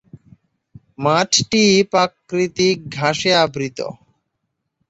মাঠটি প্রাকৃতিক ঘাসে আবৃত।